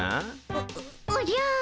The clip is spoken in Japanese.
おおじゃ。